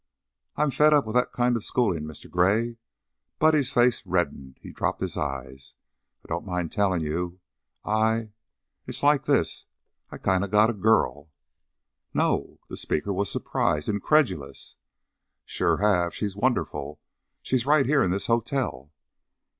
"I'm fed up on that kind of schoolin', Mr. Gray. I " Buddy's face reddened, he dropped his eyes. "I don't mind tellin' you I It's like this I kinda got a girl!" "No!" The speaker was surprised, incredulous. "Sure have. She's wonderful. She's right here in this hotel!"